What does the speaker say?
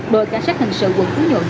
đội cảnh sát hình sự quận phú nhuận